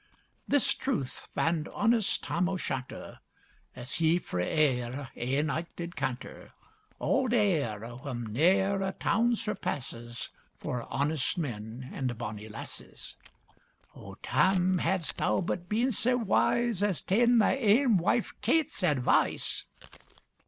This truth fand honest Tam o' Shanter, As he frae Ayr ae night did canter (Auld Ayr, wham ne'er a town surpasses, For honest men and bonny lasses). O Tam! hadst thou but been sae wise, As ta'en thy ain wife Kate's advice!